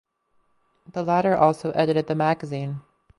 The latter also edited the magazine.